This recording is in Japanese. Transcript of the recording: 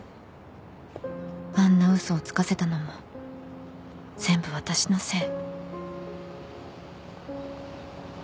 あんな嘘をつかせたのも全部私のせい